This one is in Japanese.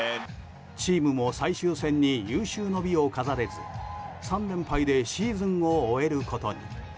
チームも最終戦に有終の美を飾れず３連敗でシーズンを終えることに。